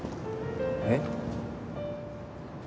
えっ？